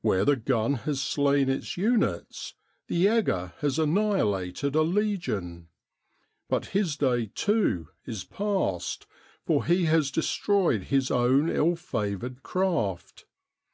Where the gun has slain its units, the egger has annihi lated a legion ; but his day, too, is past, for he has destroyed his own ill favoured craft.